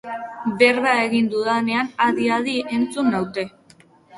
Berba egin dudanean adi-adi entzun naute.